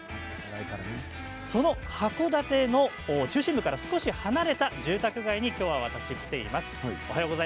その函館の中心部から少し離れた住宅街に今日私来ています。